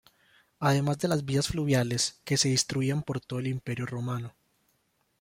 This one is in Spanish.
Además de las vías fluviales que se distribuían por todo el imperio romano.